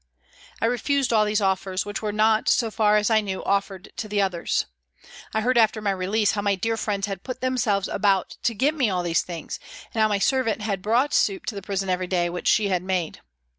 I refused all these offers, which were not, so far as I knew, offered to the others, I heard HOLLOWAY REVISITED 333 after my release, how my dear friends had put them selves about to get me all these things, and how my servant had brought soup to the prison every day, which she had made.